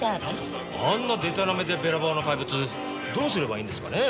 あんなでたらめでべらぼうな怪物どうすればいいんですかね？